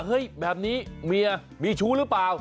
เฮ้ยแบบนี้เมียมีชู้หรือเปล่า